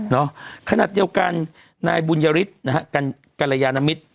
ขนาดเดียวกันนายบุญยฤทธิ์นะฮะกรยานมิตร